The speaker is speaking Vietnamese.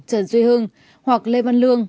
trần duy hưng hoặc lê văn lương